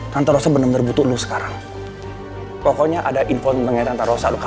tante rosa sudah selesai belumnya dipiksa sama dokternya